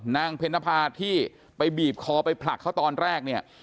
เพนภาที่ไปบีบคอไปผลักเขาตอนแรกเนี่ย